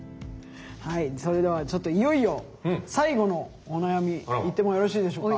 それではちょっといよいよ最後のお悩みいってもよろしいでしょうか。